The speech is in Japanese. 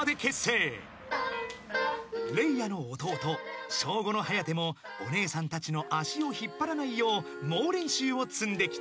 ［れいあの弟小５のはやてもお姉さんたちの足を引っ張らないよう猛練習を積んできた］